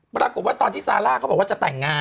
ปรากฏว่าตอนที่ซาร่าเขาบอกว่าจะแต่งงาน